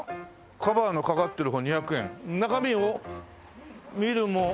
「カバーのかかっている本２００円」「中身を見るもよし。